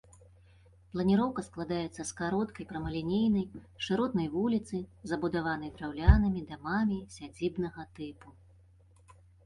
Планіроўка складаецца з кароткай прамалінейнай, шыротнай вуліцы, забудаванай драўлянымі дамамі сядзібнага тыпу.